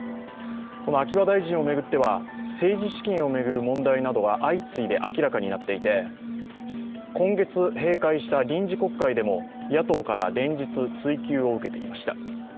秋葉大臣を巡っては、政治資金を巡る問題などが相次いで明らかになっていて、今月閉会した臨時国会でも野党から連日、追及を受けていました。